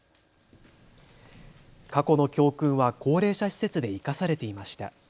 過去の教訓は高齢者施設で生かされていました。